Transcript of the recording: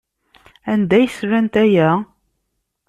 Anda ay slant aya?